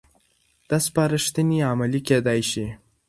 دا سپارښتنې عملي کېدای شي.